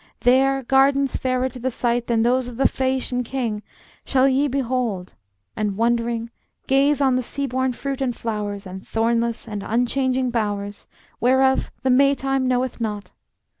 There gardens fairer to the sight Than those of the Phæacian king Shall ye behold; and, wondering, Gaze on the sea born fruit and flowers, And thornless and unchanging bowers, Whereof the May time knoweth naught.